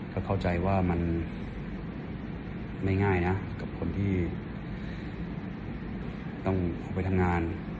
ก็เข้าใจว่ามันไม่ง่ายนะกับคนที่ต้องไปทำงาน